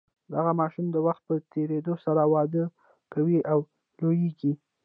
دغه ماشوم د وخت په تیریدو سره وده کوي او لوییږي.